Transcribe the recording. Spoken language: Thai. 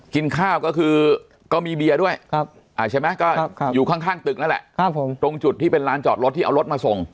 ครับผมตรงจุดที่เป็นร้านจอดรถที่เอารถมาส่ง